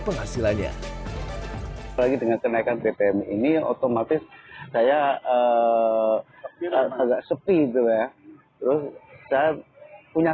penghasilannya apalagi dengan kenaikan bbm ini otomatis saya agak sepi itu ya terus saya punya